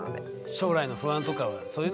将来の不安とかはそういうのは考えない。